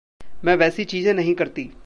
मैं वैसी चीजें नहीं करती।